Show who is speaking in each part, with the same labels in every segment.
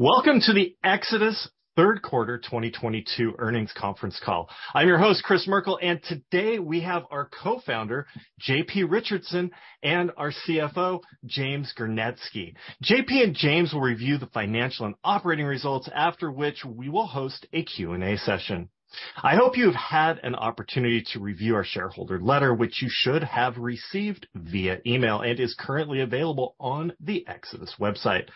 Speaker 1: Welcome to the Exodus third quarter 2022 earnings conference call. I'm your host, Chris Merkel, and today we have our Co-founder, JP Richardson, and our CFO, James Gernetzke. JP and James will review the financial and operating results, after which we will host a Q&A session. I hope you've had an opportunity to review our shareholder letter, which you should have received via email and is currently available on the Exodus website.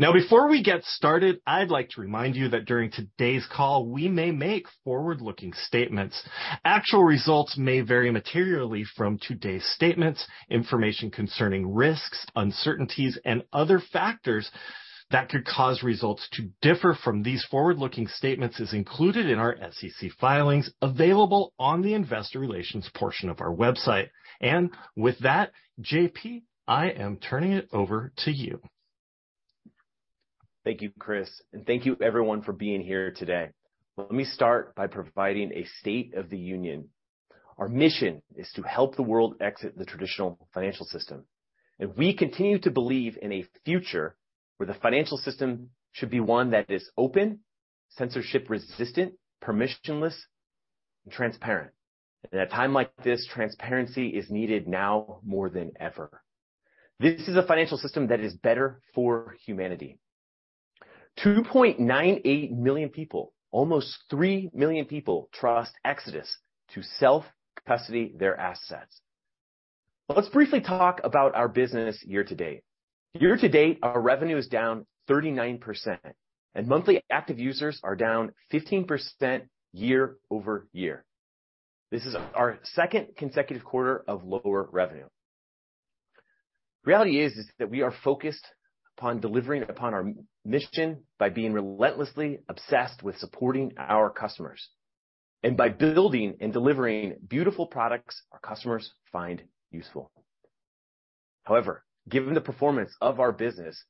Speaker 1: Now, before we get started, I'd like to remind you that during today's call, we may make forward-looking statements. Actual results may vary materially from today's statements. Information concerning risks, uncertainties, and other factors that could cause results to differ from these forward-looking statements is included in our SEC filings available on the investor relations portion of our website. With that, JP, I am turning it over to you.
Speaker 2: Thank you, Chris, and thank you everyone for being here today. Let me start by providing a State of the Union. Our mission is to help the world exit the traditional financial system, and we continue to believe in a future where the financial system should be one that is open, censorship resistant, permissionless, and transparent. In a time like this, transparency is needed now more than ever. This is a financial system that is better for humanity. 2.98 million people, almost 3 million people, trust Exodus to self-custody their assets. Let's briefly talk about our business year to date. Year to date, our revenue is down 39%, and monthly active users are down 15% year-over-year. This is our second consecutive quarter of lower revenue. Reality is that we are focused upon delivering upon our mission by being relentlessly obsessed with supporting our customers, and by building and delivering beautiful products our customers find useful. However, given the performance of our business,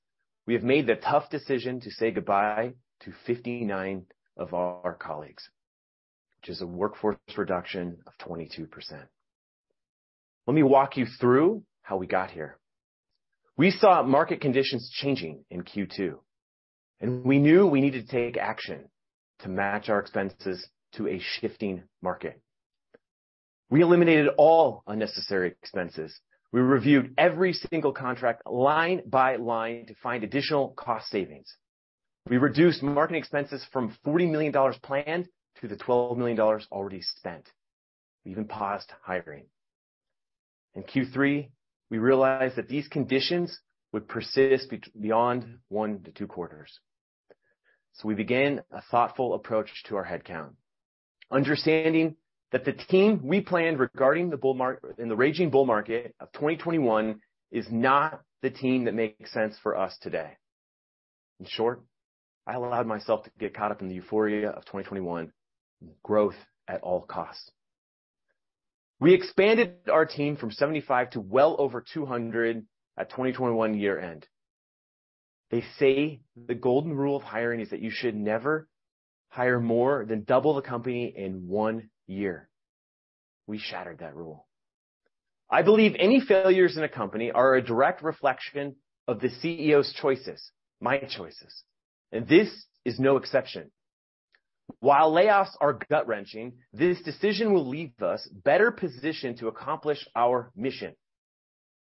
Speaker 2: we have made the tough decision to say goodbye to 59 of our colleagues, which is a workforce reduction of 22%. Let me walk you through how we got here. We saw market conditions changing in Q2, and we knew we needed to take action to match our expenses to a shifting market. We eliminated all unnecessary expenses. We reviewed every single contract line by line to find additional cost savings. We reduced marketing expenses from $40 million planned to the $12 million already spent. We even paused hiring. In Q3, we realized that these conditions would persist beyond one to two quarters. We began a thoughtful approach to our headcount, understanding that the team we planned regarding the bull market, in the raging bull market of 2021 is not the team that makes sense for us today. In short, I allowed myself to get caught up in the euphoria of 2021, growth at all costs. We expanded our team from 75 to well over 200 at 2021 year end. They say the golden rule of hiring is that you should never hire more than double the company in one year. We shattered that rule. I believe any failures in a company are a direct reflection of the CEO's choices, my choices, and this is no exception. While layoffs are gut-wrenching, this decision will leave us better positioned to accomplish our mission.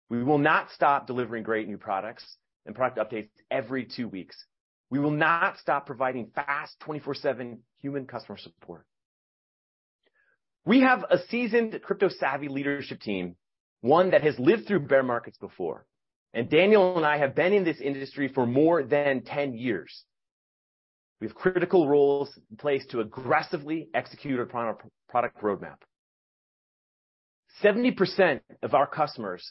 Speaker 2: We will not stop delivering great new products and product updates every two weeks. We will not stop providing fast 24/7 human customer support. We have a seasoned crypto-savvy leadership team, one that has lived through bear markets before, and Daniel and I have been in this industry for more than 10 years. We have critical roles in place to aggressively execute upon our product roadmap. 70% of our customers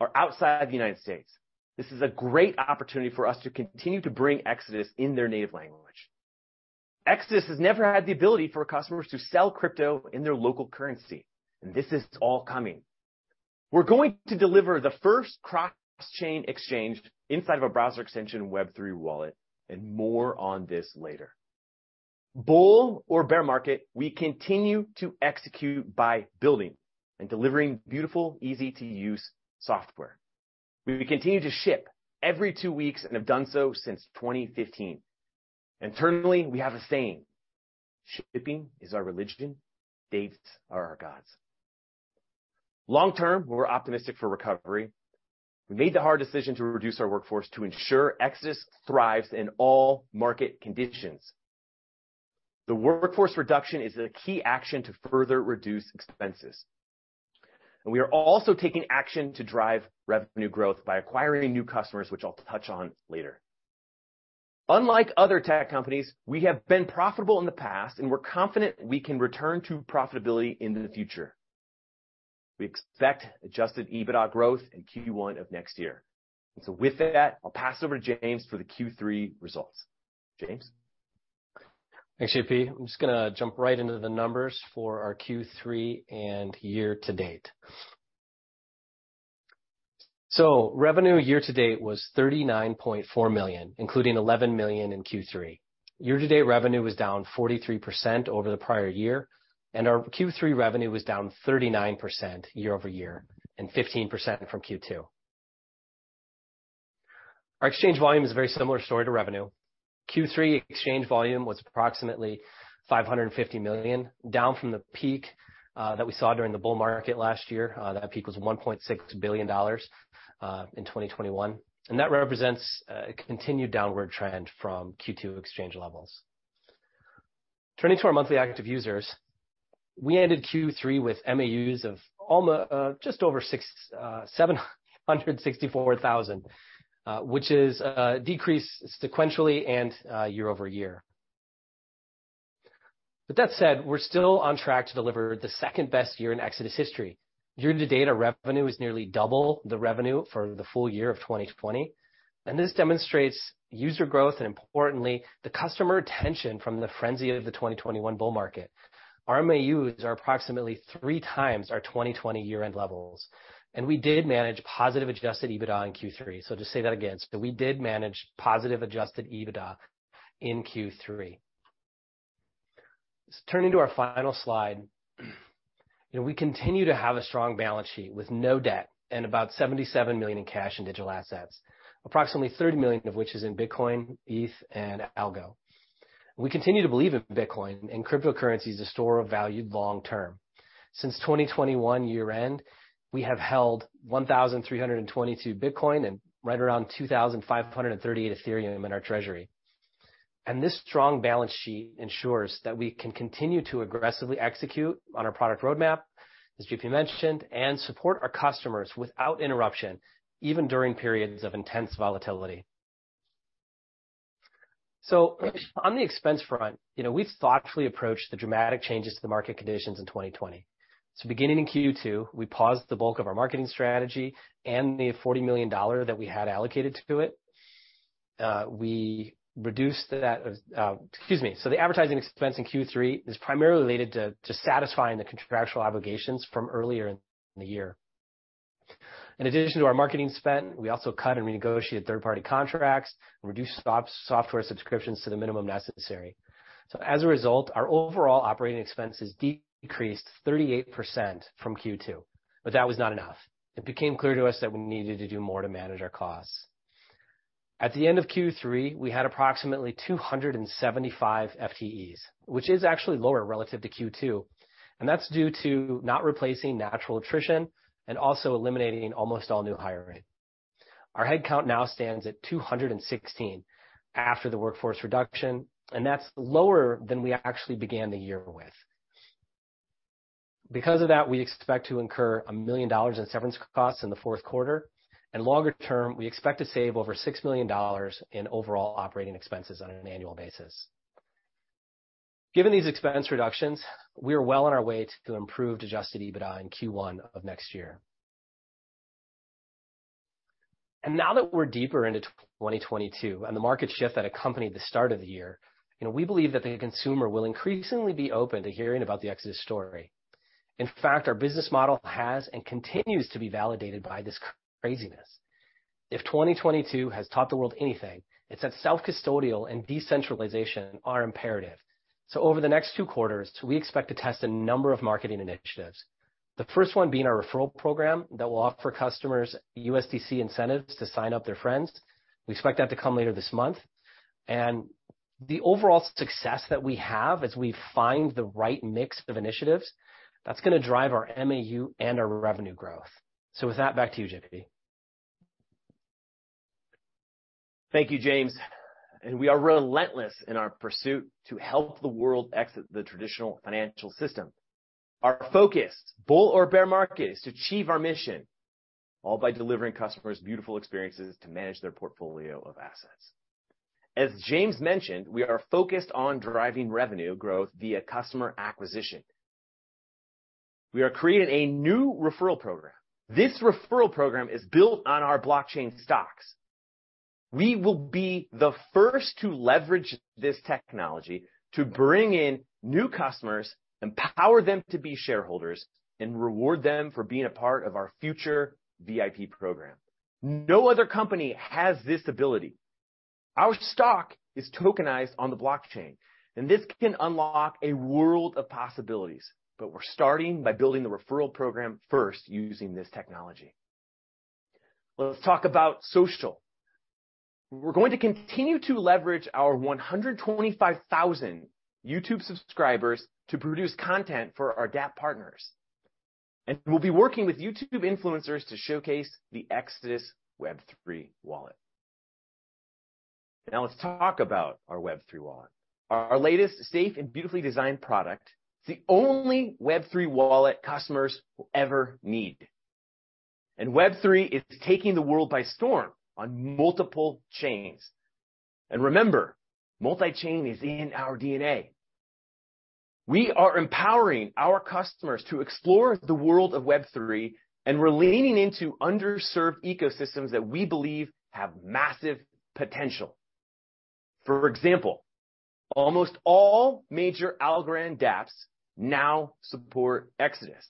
Speaker 2: are outside the United States. This is a great opportunity for us to continue to bring Exodus in their native language. Exodus has never had the ability for customers to sell crypto in their local currency, and this is all coming. We're going to deliver the first cross-chain exchange inside of a browser extension Web3 wallet, and more on this later. Bull or bear market, we continue to execute by building and delivering beautiful, easy-to-use software. We continue to ship every 2 weeks and have done so since 2015. Internally, we have a saying, "Shipping is our religion, dates are our gods." Long term, we're optimistic for recovery. We made the hard decision to reduce our workforce to ensure Exodus thrives in all market conditions. The workforce reduction is a key action to further reduce expenses, and we are also taking action to drive revenue growth by acquiring new customers, which I'll touch on later. Unlike other tech companies, we have been profitable in the past, and we're confident we can return to profitability in the future. We expect adjusted EBITDA growth in Q1 of next year. With that, I'll pass over to James for the Q3 results. James.
Speaker 3: Thanks, JP. I'm just gonna jump right into the numbers for our Q3 and year to date. Revenue year to date was $39.4 million, including $11 million in Q3. Year-to-date revenue was down 43% over the prior year, and our Q3 revenue was down 39% year over year, and 15% from Q2. Our exchange volume is a very similar story to revenue. Q3 exchange volume was approximately $550 million, down from the peak that we saw during the bull market last year. That peak was $1.6 billion in 2021, and that represents a continued downward trend from Q2 exchange levels. Turning to our monthly active users, we ended Q3 with MAUs of just over 764,000, which is decreased sequentially and year over year. That said, we're still on track to deliver the second best year in Exodus history. Year-to-date, our revenue is nearly double the revenue for the full year of 2020. This demonstrates user growth, and importantly, the customer retention from the frenzy of the 2021 bull market. Our MAUs are approximately 3 times our 2020 year-end levels, and we did manage positive adjusted EBITDA in Q3. Just say that again. We did manage positive adjusted EBITDA in Q3. Turning to our final slide, you know, we continue to have a strong balance sheet with no debt and about $77 million in cash and digital assets, approximately $30 million of which is in Bitcoin, ETH, and ALGO. We continue to believe in Bitcoin and cryptocurrency as a store of value long term. Since 2021 year end, we have held 1,322 Bitcoin and right around 2,538 Ethereum in our treasury. This strong balance sheet ensures that we can continue to aggressively execute on our product roadmap, as JP mentioned, and support our customers without interruption, even during periods of intense volatility. On the expense front, you know, we've thoughtfully approached the dramatic changes to the market conditions in 2020. Beginning in Q2, we paused the bulk of our marketing strategy and the $40 million that we had allocated to it. The advertising expense in Q3 is primarily related to satisfying the contractual obligations from earlier in the year. In addition to our marketing spend, we also cut and renegotiated third-party contracts and reduced software subscriptions to the minimum necessary. As a result, our overall operating expenses decreased 38% from Q2, but that was not enough. It became clear to us that we needed to do more to manage our costs. At the end of Q3, we had approximately 275 FTEs, which is actually lower relative to Q2, and that's due to not replacing natural attrition and also eliminating almost all new hiring. Our headcount now stands at 216 after the workforce reduction, and that's lower than we actually began the year with. Because of that, we expect to incur $1 million in severance costs in the fourth quarter. Longer term, we expect to save over $6 million in overall operating expenses on an annual basis. Given these expense reductions, we are well on our way to improved adjusted EBITDA in Q1 of next year. Now that we're deeper into 2022 and the market shift that accompanied the start of the year, you know, we believe that the consumer will increasingly be open to hearing about the Exodus story. In fact, our business model has and continues to be validated by this craziness. If 2022 has taught the world anything, it's that self-custodial and decentralization are imperative. Over the next two quarters, we expect to test a number of marketing initiatives. The first one being our referral program that will offer customers USDC incentives to sign up their friends. We expect that to come later this month. The overall success that we have as we find the right mix of initiatives, that's gonna drive our MAU and our revenue growth. With that, back to you, JP.
Speaker 2: Thank you, James. We are relentless in our pursuit to help the world exit the traditional financial system. Our focus, bull or bear market, is to achieve our mission, all by delivering customers beautiful experiences to manage their portfolio of assets. As James mentioned, we are focused on driving revenue growth via customer acquisition. We are creating a new referral program. This referral program is built on our blockchain stocks. We will be the first to leverage this technology to bring in new customers, empower them to be shareholders, and reward them for being a part of our future VIP program. No other company has this ability. Our stock is tokenized on the blockchain, and this can unlock a world of possibilities. We're starting by building the referral program first using this technology. Let's talk about social. We're going to continue to leverage our 125,000 YouTube subscribers to produce content for our dApp partners. We'll be working with YouTube influencers to showcase the Exodus Web3 wallet. Now let's talk about our Web3 wallet, our latest safe and beautifully designed product, the only Web3 wallet customers will ever need. Web3 is taking the world by storm on multiple chains. Remember, multi-chain is in our DNA. We are empowering our customers to explore the world of Web3, and we're leaning into underserved ecosystems that we believe have massive potential. For example, almost all major Algorand dApps now support Exodus.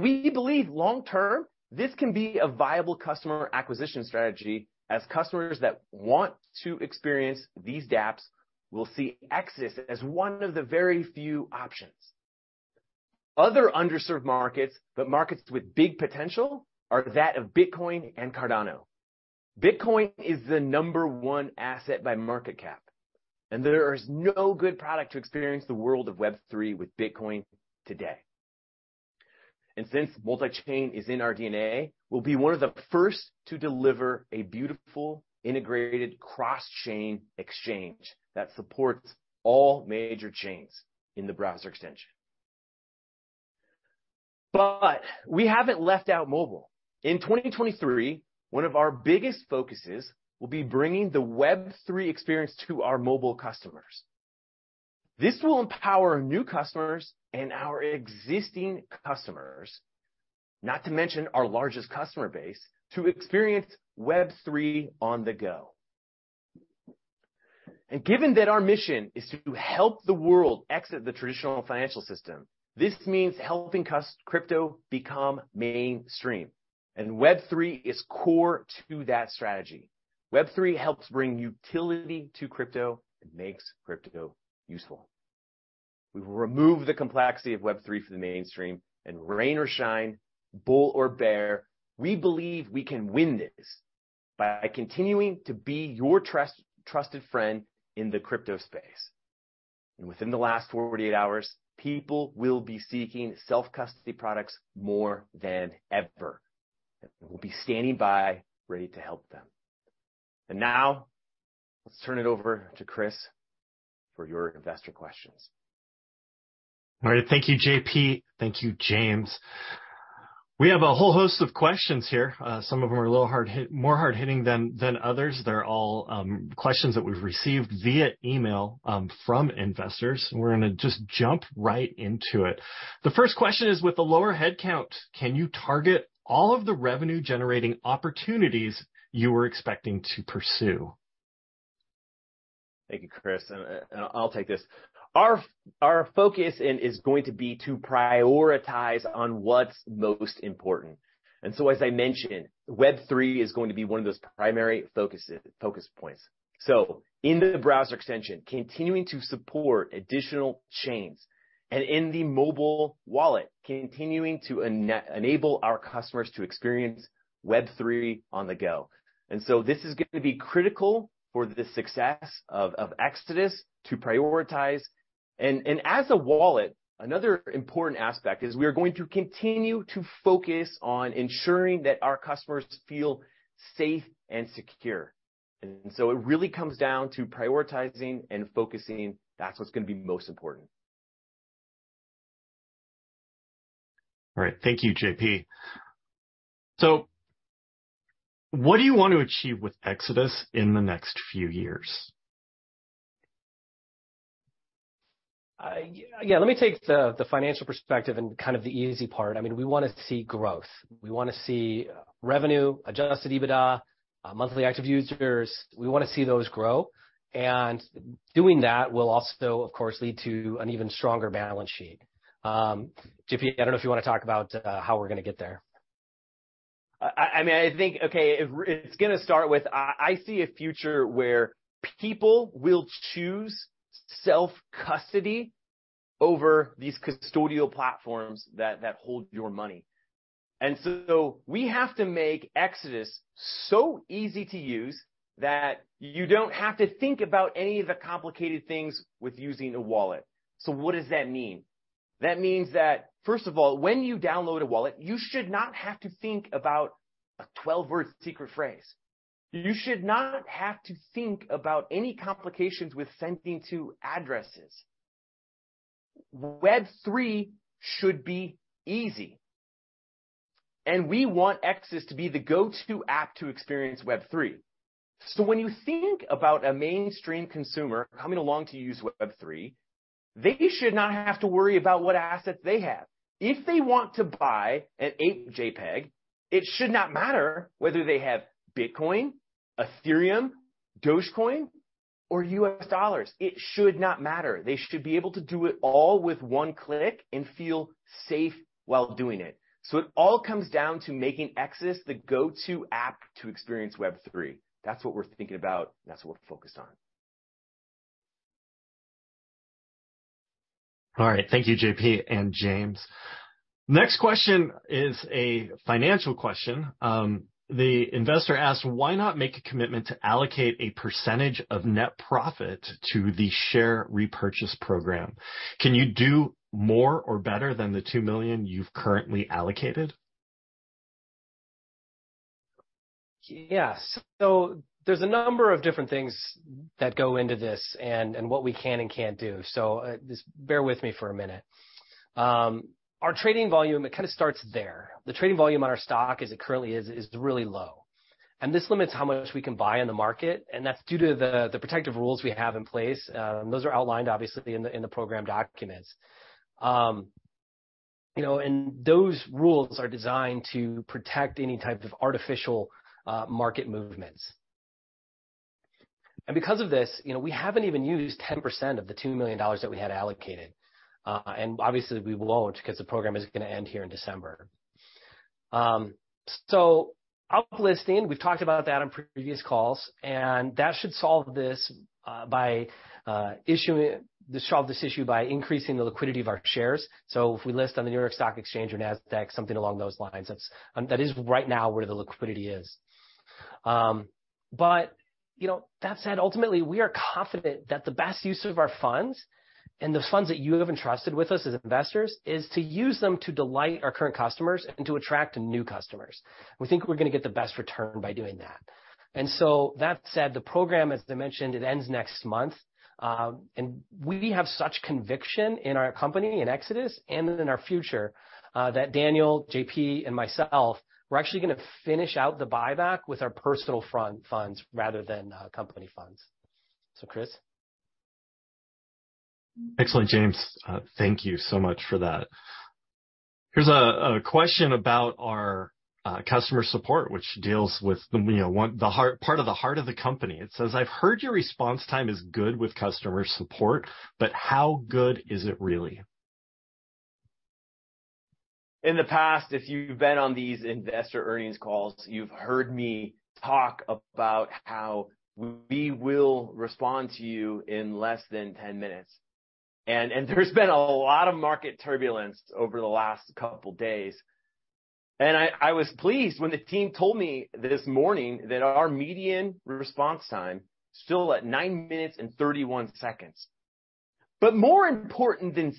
Speaker 2: We believe long-term, this can be a viable customer acquisition strategy as customers that want to experience these dApps will see Exodus as one of the very few options. Other underserved markets, but markets with big potential are that of Bitcoin and Cardano. Bitcoin is the number one asset by market cap, and there is no good product to experience the world of Web3 with Bitcoin today. Since multi-chain is in our DNA, we'll be one of the first to deliver a beautiful integrated cross-chain exchange that supports all major chains in the browser extension. We haven't left out mobile. In 2023, one of our biggest focuses will be bringing the Web3 experience to our mobile customers. This will empower new customers and our existing customers, not to mention our largest customer base, to experience Web3 on the go. Given that our mission is to help the world exit the traditional financial system, this means helping crypto become mainstream, and Web3 is core to that strategy. Web3 helps bring utility to crypto and makes crypto useful. We will remove the complexity of Web3 for the mainstream, and rain or shine, bull or bear, we believe we can win this by continuing to be your trusted friend in the crypto space. Within the last 48 hours, people will be seeking self-custody products more than ever. We'll be standing by, ready to help them. Now, let's turn it over to Chris for your investor questions.
Speaker 1: All right. Thank you, JP. Thank you, James. We have a whole host of questions here. Some of them are a little hard-hitting, more hard-hitting than others. They're all questions that we've received via email from investors. We're gonna just jump right into it. The first question is: With the lower headcount, can you target all of the revenue-generating opportunities you were expecting to pursue?
Speaker 2: Thank you, Chris, I'll take this. Our focus is going to be to prioritize on what's most important. As I mentioned, Web3 is going to be one of those primary focus points. In the browser extension, continuing to support additional chains. In the mobile wallet, continuing to enable our customers to experience Web3 on the go. This is gonna be critical for the success of Exodus to prioritize. As a wallet, another important aspect is we are going to continue to focus on ensuring that our customers feel safe and secure. It really comes down to prioritizing and focusing. That's what's gonna be most important.
Speaker 1: All right. Thank you, JP. What do you want to achieve with Exodus in the next few years?
Speaker 3: Yeah, let me take the financial perspective and kind of the easy part. I mean, we wanna see growth. We wanna see revenue, adjusted EBITDA, monthly active users. We wanna see those grow. Doing that will also, of course, lead to an even stronger balance sheet. JP, I don't know if you wanna talk about how we're gonna get there.
Speaker 2: I mean, I think I see a future where people will choose self-custody over these custodial platforms that hold your money. We have to make Exodus so easy to use that you don't have to think about any of the complicated things with using a wallet. What does that mean? That means that, first of all, when you download a wallet, you should not have to think about a 12-word secret phrase. You should not have to think about any complications with sending to addresses. Web3 should be easy. We want Exodus to be the go-to app to experience Web3. When you think about a mainstream consumer coming along to use Web3, they should not have to worry about what assets they have. If they want to buy an ape JPEG, it should not matter whether they have Bitcoin, Ethereum, Dogecoin, or US dollars. It should not matter. They should be able to do it all with one click and feel safe while doing it. It all comes down to making Exodus the go-to app to experience Web3. That's what we're thinking about, and that's what we're focused on.
Speaker 1: All right. Thank you, JP and James. Next question is a financial question. The investor asked, why not make a commitment to allocate a percentage of net profit to the share repurchase program? Can you do more or better than the $2 million you've currently allocated?
Speaker 3: Yeah. There's a number of different things that go into this and what we can and can't do. Just bear with me for a minute. Our trading volume, it kinda starts there. The trading volume on our stock as it currently is really low, and this limits how much we can buy in the market, and that's due to the protective rules we have in place. Those are outlined obviously in the program documents. You know, those rules are designed to protect any type of artificial market movements. Because of this, you know, we haven't even used 10% of the $2 million that we had allocated, and obviously we won't 'cause the program is gonna end here in December. Our listing, we've talked about that on previous calls, and that should solve this issue by increasing the liquidity of our shares. If we list on the New York Stock Exchange or Nasdaq, something along those lines, that is right now where the liquidity is. You know, that said, ultimately, we are confident that the best use of our funds and the funds that you have entrusted with us as investors is to use them to delight our current customers and to attract new customers. We think we're gonna get the best return by doing that. That said, the program, as I mentioned, it ends next month. We have such conviction in our company, in Exodus, and in our future that Daniel, JP, and myself, we're actually gonna finish out the buyback with our personal funds rather than company funds. Chris.
Speaker 1: Excellent, James. Thank you so much for that. Here's a question about our customer support, which deals with the, you know, part of the heart of the company. It says, "I've heard your response time is good with customer support, but how good is it really?
Speaker 2: In the past, if you've been on these investor earnings calls, you've heard me talk about how we will respond to you in less than 10 minutes. There's been a lot of market turbulence over the last couple days, and I was pleased when the team told me this morning that our median response time is still at 9 minutes and 31 seconds. More important than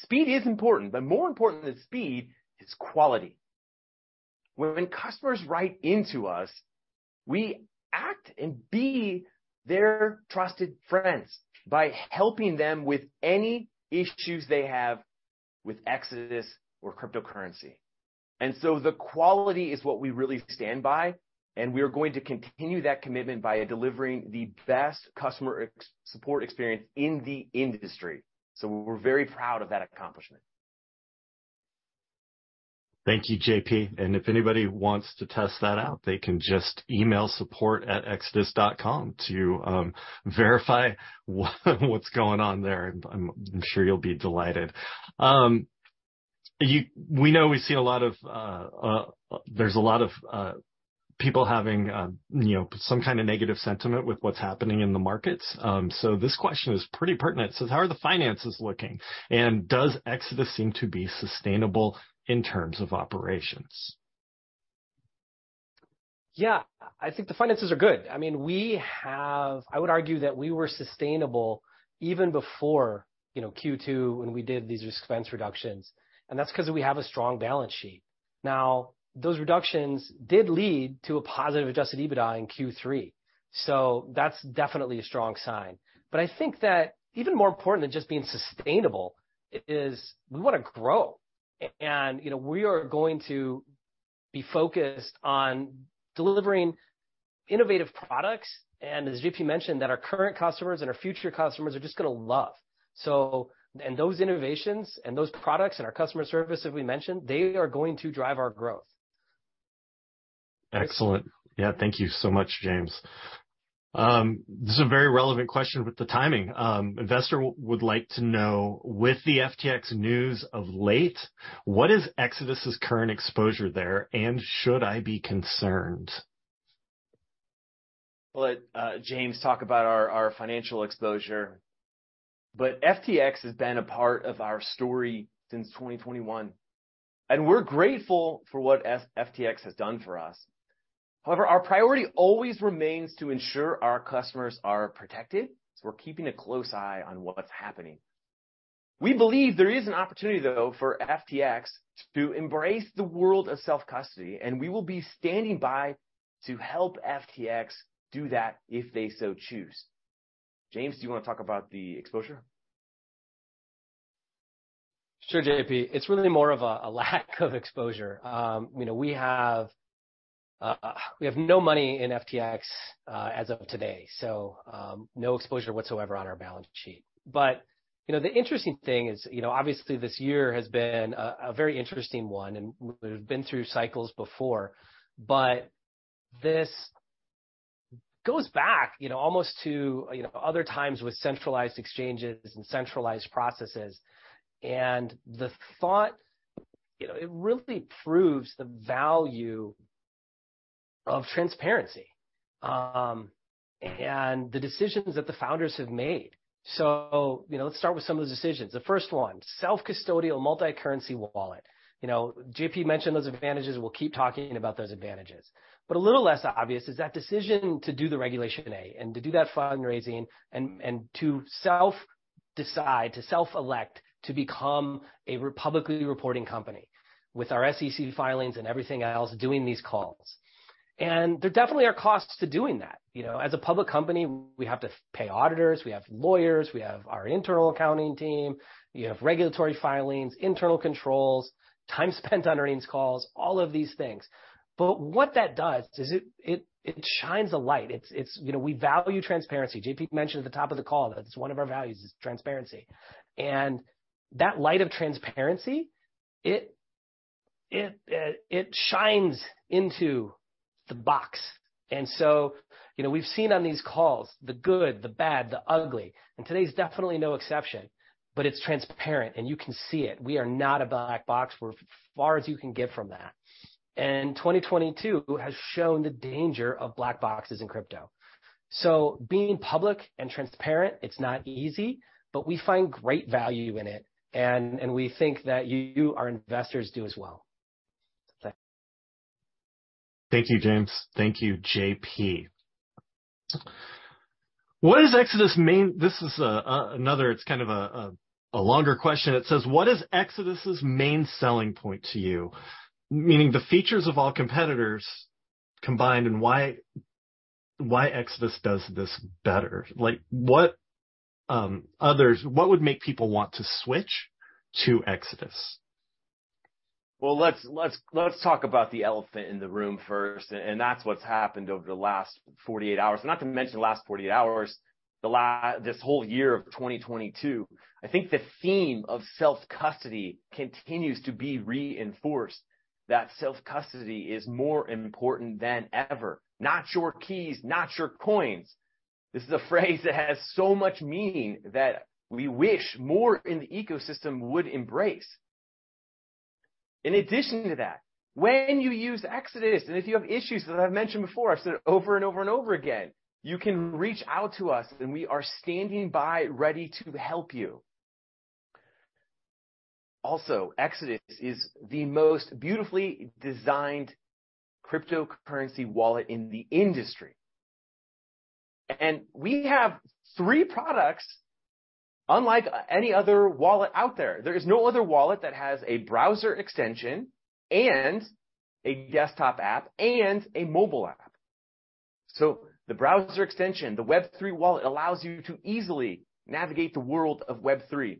Speaker 2: speed is important, but more important than speed is quality. When customers write into us, we act and be their trusted friends by helping them with any issues they have with Exodus or cryptocurrency. The quality is what we really stand by, and we are going to continue that commitment by delivering the best customer support experience in the industry. We're very proud of that accomplishment.
Speaker 1: Thank you, JP. If anybody wants to test that out, they can just email support@exodus.com to verify what's going on there. I'm sure you'll be delighted. We know we see a lot of people having you know some kind of negative sentiment with what's happening in the markets. This question is pretty pertinent. It says, "How are the finances looking? And does Exodus seem to be sustainable in terms of operations?
Speaker 3: Yeah. I think the finances are good. I mean, we have, I would argue that we were sustainable even before, you know, Q2, when we did these expense reductions, and that's 'cause we have a strong balance sheet. Now, those reductions did lead to a positive adjusted EBITDA in Q3, so that's definitely a strong sign. I think that even more important than just being sustainable is we wanna grow. You know, we are going to be focused on delivering innovative products, and as JP mentioned, that our current customers and our future customers are just gonna love. Those innovations and those products and our customer service that we mentioned, they are going to drive our growth.
Speaker 1: Excellent. Yeah. Thank you so much, James. This is a very relevant question with the timing. Investor would like to know, with the FTX news of late, what is Exodus' current exposure there, and should I be concerned?
Speaker 2: I'll let James talk about our financial exposure. FTX has been a part of our story since 2021, and we're grateful for what FTX has done for us. However, our priority always remains to ensure our customers are protected, so we're keeping a close eye on what's happening. We believe there is an opportunity, though, for FTX to embrace the world of self-custody, and we will be standing by to help FTX do that if they so choose. James, do you wanna talk about the exposure?
Speaker 3: Sure, JP. It's really more of a lack of exposure. You know, we have no money in FTX as of today, so no exposure whatsoever on our balance sheet. You know, the interesting thing is, you know, obviously this year has been a very interesting one, and we've been through cycles before, but this goes back, you know, almost to, you know, other times with centralized exchanges and centralized processes. The thought, you know, it really proves the value of transparency and the decisions that the founders have made. You know, let's start with some of the decisions. The first one, self-custodial multi-currency wallet. You know, JP mentioned those advantages. We'll keep talking about those advantages. A little less obvious is that decision to do the Regulation A and to do that fundraising and to self-elect to become a publicly reporting company with our SEC filings and everything else, doing these calls. There definitely are costs to doing that. You know, as a public company, we have to pay auditors, we have lawyers, we have our internal accounting team, you have regulatory filings, internal controls, time spent on earnings calls, all of these things. What that does is it shines a light. It's you know, we value transparency. JP mentioned at the top of the call that it's one of our values is transparency. That light of transparency, it shines into the box. You know, we've seen on these calls the good, the bad, the ugly, and today is definitely no exception. It's transparent, and you can see it. We are not a black box. We're as far as you can get from that. 2022 has shown the danger of black boxes in crypto. Being public and transparent, it's not easy, but we find great value in it, and we think that you, our investors, do as well. Thanks.
Speaker 1: Thank you, James. Thank you, JP. This is another. It's kind of a longer question. It says, what is Exodus's main selling point to you? Meaning the features of all competitors combined and why Exodus does this better? What would make people want to switch to Exodus?
Speaker 2: Well, let's talk about the elephant in the room first, and that's what's happened over the last 48 hours. Not to mention the last 48 hours, this whole year of 2022, I think the theme of self-custody continues to be reinforced, that self-custody is more important than ever. Not your keys, not your coins. This is a phrase that has so much meaning that we wish more in the ecosystem would embrace. In addition to that, when you use Exodus, and if you have issues, as I've mentioned before, I've said it over and over and over again, you can reach out to us, and we are standing by ready to help you. Also, Exodus is the most beautifully designed cryptocurrency wallet in the industry. We have three products unlike any other wallet out there. There is no other wallet that has a browser extension and a desktop app and a mobile app. The browser extension, the Web3 wallet, allows you to easily navigate the world of Web3.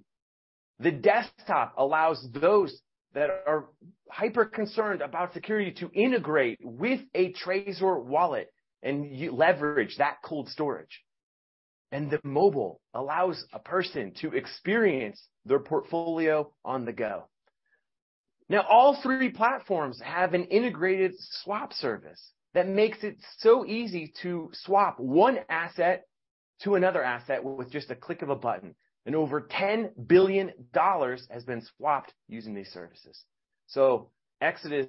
Speaker 2: The desktop allows those that are hyper concerned about security to integrate with a Trezor wallet, and you leverage that cold storage. The mobile allows a person to experience their portfolio on the go. All three platforms have an integrated swap service that makes it so easy to swap one asset to another asset with just a click of a button. Over $10 billion has been swapped using these services. Exodus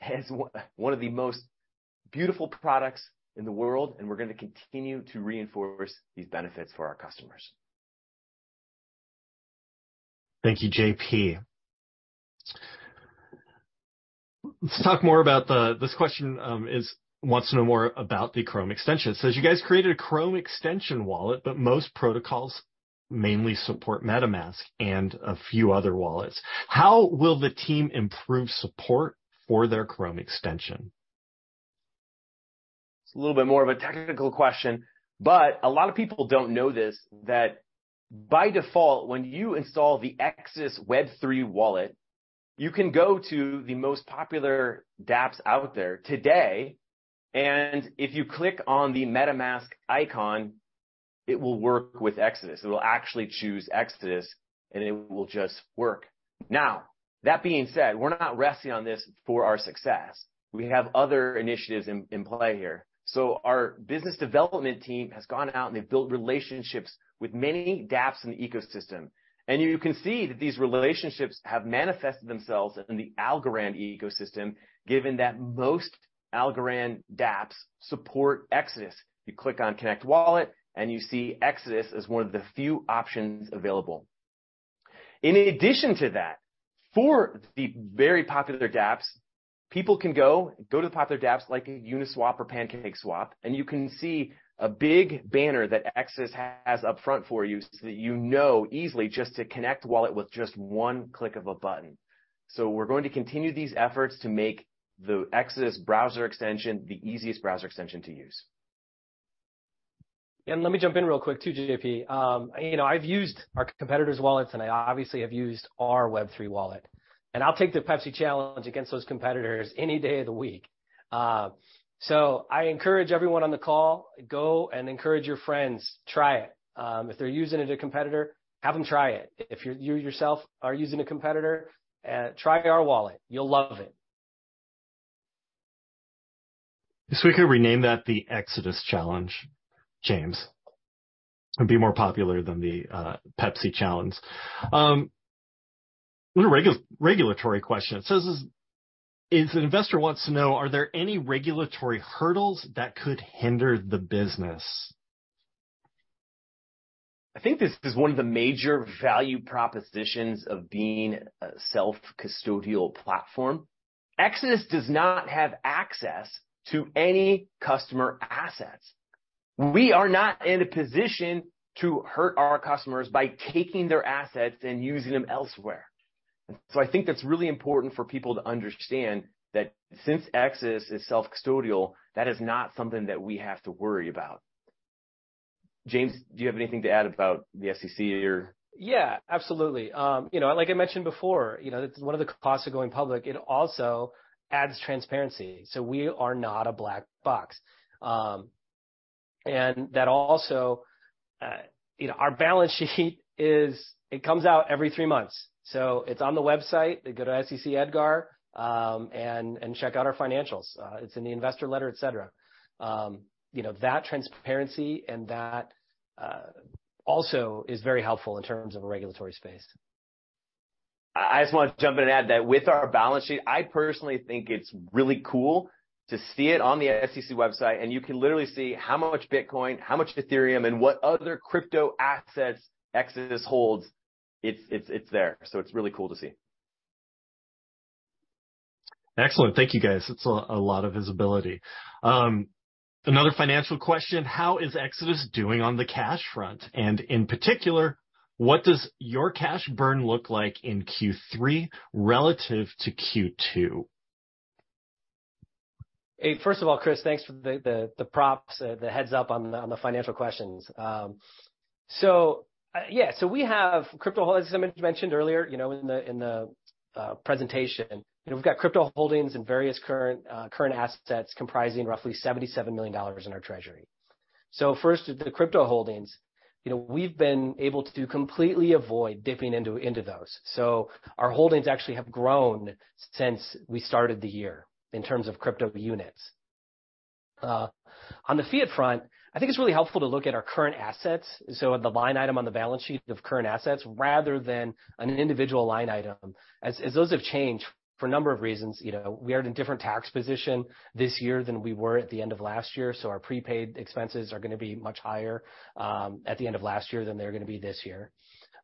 Speaker 2: has one of the most beautiful products in the world, and we're gonna continue to reinforce these benefits for our customers.
Speaker 1: Thank you, JP. Let's talk more about this question. It wants to know more about the Chrome extension. It says, you guys created a Chrome extension wallet, but most protocols mainly support MetaMask and a few other wallets. How will the team improve support for their Chrome extension?
Speaker 2: It's a little bit more of a technical question, but a lot of people don't know this, that by default, when you install the Exodus Web3 wallet, you can go to the most popular dApps out there today, and if you click on the MetaMask icon, it will work with Exodus. It will actually choose Exodus, and it will just work. Now, that being said, we're not resting on this for our success. We have other initiatives in play here. Our business development team has gone out, and they've built relationships with many dApps in the ecosystem. You can see that these relationships have manifested themselves in the Algorand ecosystem, given that most Algorand dApps support Exodus. You click on Connect Wallet, and you see Exodus as one of the few options available. In addition to that, for the very popular dApps, people can go to the popular dApps like Uniswap or PancakeSwap, and you can see a big banner that Exodus has up front for you so that you know easily just to connect wallet with just one click of a button. We're going to continue these efforts to make the Exodus browser extension the easiest browser extension to use.
Speaker 3: Let me jump in real quick too, JP. You know, I've used our competitors' wallets, and I obviously have used our Web3 wallet. I'll take the Pepsi challenge against those competitors any day of the week. I encourage everyone on the call, go and encourage your friends, try it. If they're using a competitor, have them try it. If you're, you yourself are using a competitor, try our wallet. You'll love it.
Speaker 1: We could rename that the Exodus Challenge, James. It'd be more popular than the Pepsi Challenge. What a regulatory question. It says, an investor wants to know, are there any regulatory hurdles that could hinder the business?
Speaker 2: I think this is one of the major value propositions of being a self-custodial platform. Exodus does not have access to any customer assets. We are not in a position to hurt our customers by taking their assets and using them elsewhere. I think that's really important for people to understand that since Exodus is self-custodial, that is not something that we have to worry about. James, do you have anything to add about the SEC or?
Speaker 3: Yeah, absolutely. You know, like I mentioned before, you know, it's one of the costs of going public, it also adds transparency. We are not a black box. That also, you know, our balance sheet comes out every three months, so it's on the website. Go to SEC EDGAR, and check out our financials. It's in the investor letter, et cetera. You know, that transparency and that also is very helpful in terms of a regulatory space.
Speaker 2: I just want to jump in and add that with our balance sheet, I personally think it's really cool to see it on the SEC website, and you can literally see how much Bitcoin, how much Ethereum and what other crypto assets Exodus holds. It's there. It's really cool to see.
Speaker 1: Excellent. Thank you, guys. It's a lot of visibility. Another financial question, how is Exodus doing on the cash front? In particular, what does your cash burn look like in Q3 relative to Q2?
Speaker 3: Hey, first of all, Chris, thanks for the props, the heads-up on the financial questions. We have crypto holdings, as I mentioned earlier, you know, in the presentation. You know, we've got crypto holdings and various current assets comprising roughly $77 million in our treasury. First, the crypto holdings. You know, we've been able to completely avoid dipping into those. Our holdings actually have grown since we started the year in terms of crypto units. On the fiat front, I think it's really helpful to look at our current assets, so the line item on the balance sheet of current assets rather than an individual line item, as those have changed for a number of reasons. You know, we are in a different tax position this year than we were at the end of last year, so our prepaid expenses are gonna be much higher at the end of last year than they're gonna be this year.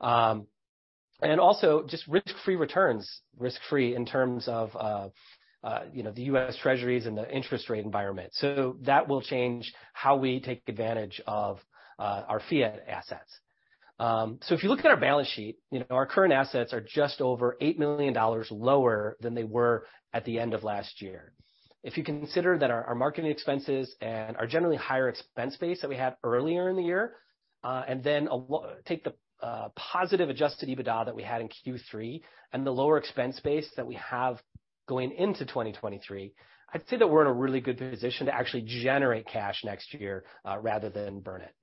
Speaker 3: Also just risk-free returns. Risk-free in terms of, you know, the US Treasuries and the interest rate environment. That will change how we take advantage of our fiat assets. If you look at our balance sheet, you know, our current assets are just over $8 million lower than they were at the end of last year. If you consider that our marketing expenses and our generally higher expense base that we had earlier in the year, and then take the positive adjusted EBITDA that we had in Q3 and the lower expense base that we have going into 2023, I'd say that we're in a really good position to actually generate cash next year, rather than burn it.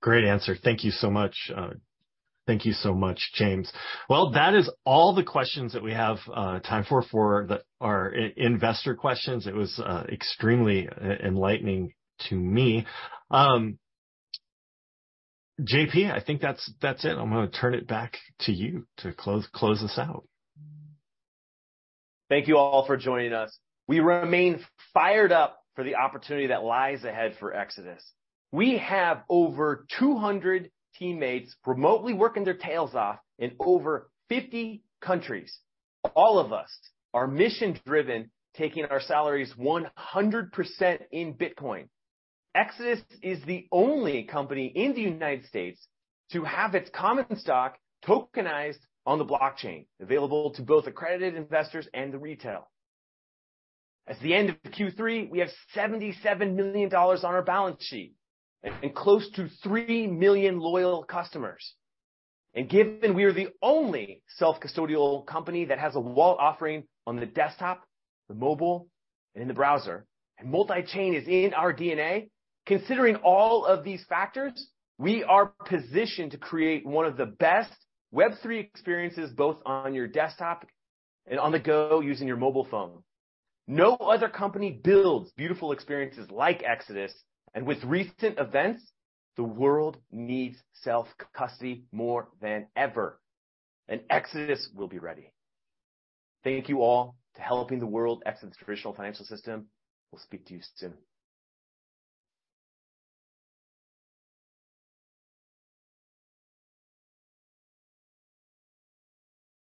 Speaker 1: Great answer. Thank you so much. Thank you so much, James. Well, that is all the questions that we have time for our investor questions. It was extremely enlightening to me. JP, I think that's it. I'm gonna turn it back to you to close this out.
Speaker 2: Thank you all for joining us. We remain fired up for the opportunity that lies ahead for Exodus. We have over 200 teammates remotely working their tails off in over 50 countries. All of us are mission-driven, taking our salaries 100% in Bitcoin. Exodus is the only company in the United States to have its common stock tokenized on the blockchain, available to both accredited investors and to retail. At the end of Q3, we have $77 million on our balance sheet and close to 3 million loyal customers. Given we are the only self-custodial company that has a wallet offering on the desktop, the mobile and in the browser, and multichain is in our DNA, considering all of these factors, we are positioned to create one of the best Web3 experiences, both on your desktop and on the go using your mobile phone. No other company builds beautiful experiences like Exodus, and with recent events, the world needs self-custody more than ever, and Exodus will be ready. Thank you all for helping the world exit the traditional financial system. We'll speak to you soon.